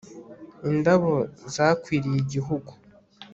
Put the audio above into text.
indabo zakwiriye igihugu